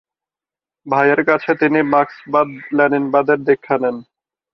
ভাইয়ের কাছে তিনি মার্ক্সবাদ-লেনিনবাদের দীক্ষা নেন।